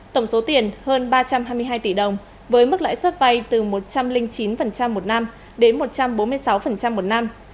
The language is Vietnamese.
tổng số tiền hơn ba trăm hai mươi hai tỷ đồng với mức lãi suất vay từ một trăm linh chín một năm đến một trăm bốn mươi sáu một năm